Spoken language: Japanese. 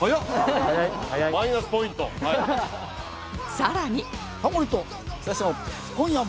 さらに